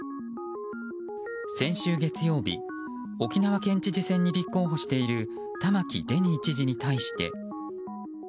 先週月曜日沖縄県知事選に立候補している玉城デニー知事に対して。